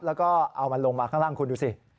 แล้วก็เอามันลงมาข้างล่างคุณดูสิ